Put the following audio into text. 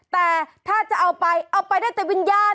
แต่ถ้าจะเอาไปเอาไปได้แต่วิญญาณ